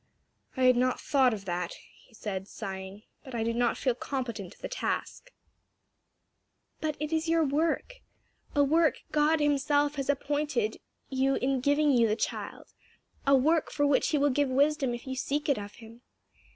"I had not thought of that," he said sighing, "but I do not feel competent to the task." "But it is your work; a work God himself has appointed you in giving you the child; a work for which he will give wisdom if you seek it of him.